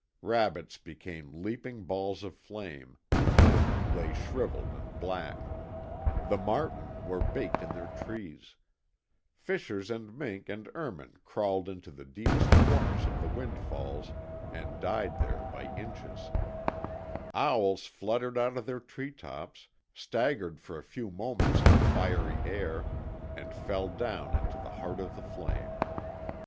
Rabbits became leaping balls of flame, then lay shrivelled and black; the marten were baked in their trees; fishers and mink and ermine crawled into the deepest corners of the windfalls and died there by inches; owls fluttered out of their tree tops, staggered for a few moments in the fiery air, and fell down into the heart of the flame.